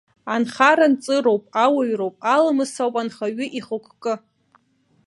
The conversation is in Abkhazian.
Анхара-нҵыроуп, ауаҩроуп, аламыс ауп анхаҩы ихықәкы.